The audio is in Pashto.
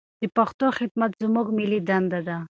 د پښتو خدمت زموږ ملي دنده ده.